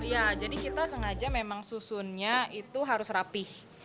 iya jadi kita sengaja memang susunnya itu harus rapih